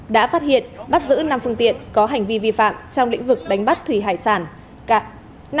đã phát hiện bắt giữ năm phương tiện có hành vi vi phạm trong lĩnh vực đánh bắt thủy hải sản